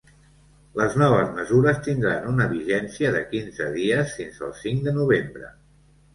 Les noves mesures tindran una vigència de quinze dies, fins al cinc de novembre.